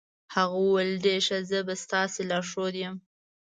هغه وویل ډېر ښه، زه به ستاسې لارښود یم.